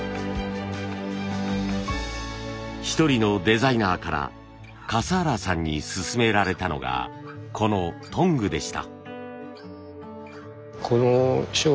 一人のデザイナーから笠原さんに勧められたのがこのトングでした。